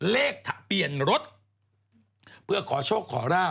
เลขเปลี่ยนรถเพื่อขอโชคขอราบ